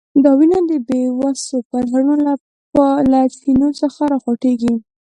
دا وینه د بیوسو پرهرونو له چینو څخه راخوټېږي.